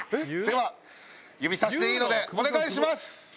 では指さしでいいのでお願いします！